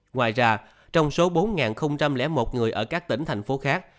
ngoài ra trong số bốn một người ở các tỉnh thành phố khác